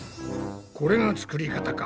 これが作り方か。